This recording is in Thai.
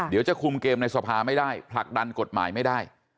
เดี๋ยวจะคุมเกมในสภาไม่ได้ผลักดันกฎหมายไม่ได้